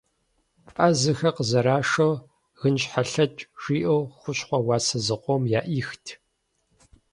Ӏэзэхэр къызэрашэу «гынщхьэлъэкӏ» жиӏэу хущхъуэ уасэ зыкъом яӏихт.